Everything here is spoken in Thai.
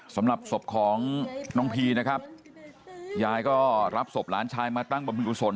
สำหรับศพของน้องพีนะครับยายก็รับศพหลานชายมาตั้งบำเพ็กกุศล